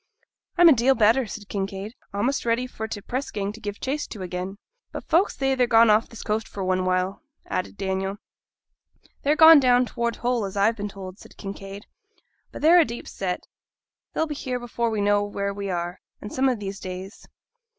'I'm a deal better,' said Kinraid; 'a'most ready for t' press gang to give chase to again.' 'But folk say they're gone off this coast for one while,' added Daniel. 'They're gone down towards Hull, as I've been told,' said Kinraid. 'But they're a deep set, they'll be here before we know where we are, some of these days.'